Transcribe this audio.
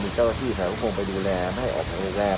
เพราะว่ามันเราอยู่คนเดียวไม่ได้อยู่แล้ว